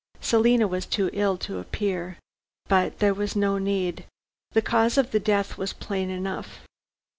Selina was too ill to appear. But there was no need. The cause of the death was plain enough.